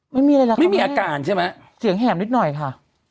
ไม่มีอะไรหรอกค่ะไม่มีอาการใช่ไหมเสียงแห่มนิดหน่อยค่ะ